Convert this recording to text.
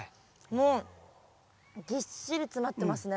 もうぎっしり詰まってますね。